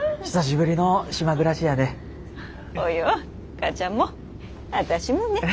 母ちゃんも私もね。